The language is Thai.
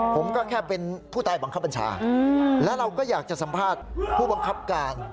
ผมก็แค่เป็นผู้ใต้บังคับบัญชาและเราก็อยากจะสัมภาษณ์ผู้บังคับการ